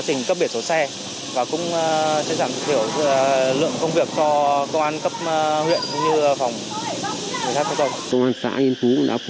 nhiều số xe và cũng sẽ giảm thiểu lượng công việc cho công an cấp huyện như phòng người thân